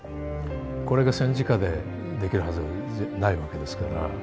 これが戦時下でできるはずないわけですから。